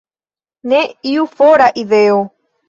Ne iu fora ideo.